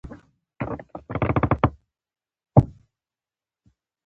د يوې بلې نرسې غږ يې د سوچونو مزی ور پرې کړ.